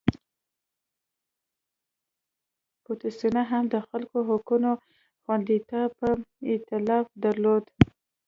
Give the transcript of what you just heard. بوتسوانا هم د خلکو حقونو خوندیتابه اېتلاف درلود.